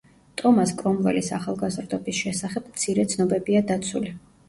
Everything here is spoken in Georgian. ტომას კრომველის ახალგაზრდობის შესახებ მცირე ცნობებია დაცული.